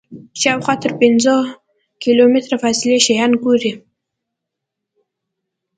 شاوخوا تر پنځه کیلومتره فاصلې شیان ګوري.